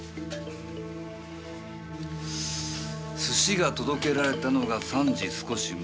寿司が届けられたのが３時少し前。